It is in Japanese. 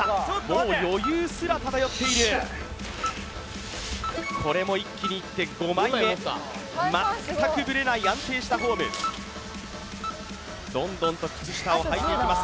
もう余裕すら漂っているこれも一気にいって５枚目全くブレない安定したフォームどんどんと靴下をはいていきます